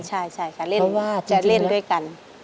ใช่ค่ะจะเล่นด้วยกัน